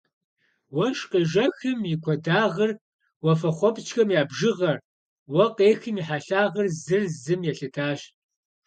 Уэшх къежэхым и куэдагъыр, уафэхъуэпскӏхэм я бжыгъэр, уэ къехым и хьэлъагъыр зыр зым елъытащ.